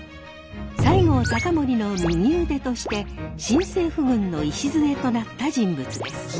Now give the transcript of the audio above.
西郷隆盛の右腕として新政府軍の礎となった人物です。